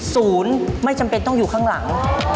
ศูนย์ไม่จำเป็นต้องอยู่ข้างหลัง